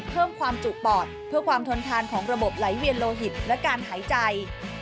เพิ่มความจุปอดเพื่อความทนทานของระบบไหลเวียนโลหิตและการหายใจ